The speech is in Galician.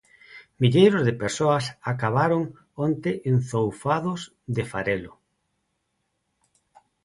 Milleiros de persoas acabaron onte enzoufados de farelo.